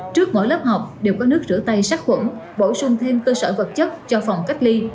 trước mỗi lớp học đều có nước rửa tay sát khuẩn bổ sung thêm cơ sở vật chất cho phòng cách ly